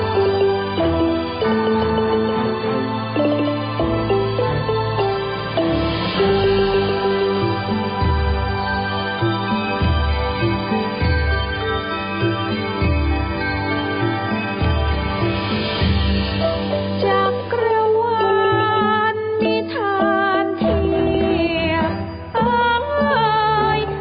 จักรวรรณนิทานเทียงต้องไหวจักรวรรณนิทานเทียงต้องไหว